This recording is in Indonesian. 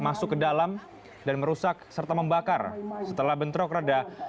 ketika kerajaan berdalam dan merusak serta membakar setelah bentrok reda